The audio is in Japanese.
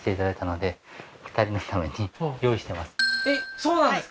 そうなんですか？